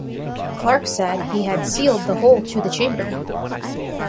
Clark said he had sealed the hole to the chamber.